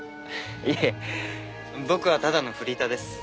いえ僕はただのフリーターです。